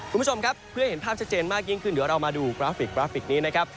คุณผู้ชมครับเพื่อเห็นภาพชัดเจนมากยิ่งขึ้นเดี๋ยวเรามาดูกราฟิกกราฟิกนี้นะครับ